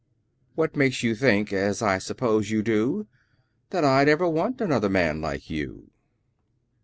What makes you think, as I suppose You do, I'd ever want another man Like you?